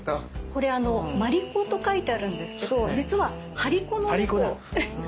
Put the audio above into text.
これ「鞠子」と書いてあるんですけど実は「張り子」の猫。